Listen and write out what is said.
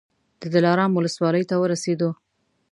د دلارام ولسوالۍ ته ورسېدو.